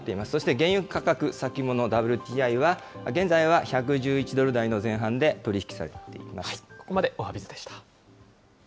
そして原油価格先物・ＷＴＩは、現在は１１１ドル台の前半で取り引きされています。